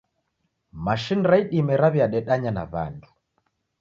Mashini ra idime riaw'iadedanya na w'andu